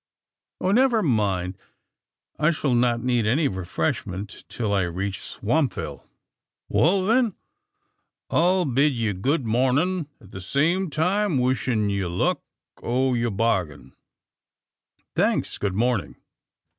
"Oh, never mind! I shall not need any refreshment till I reach Swampville." "Wal, then, I'll bid you good mornin' at the same time wishin' you luck o' your bargin." "Thanks good morning!"